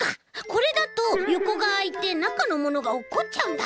これだとよこがあいてなかのものがおっこっちゃうんだ。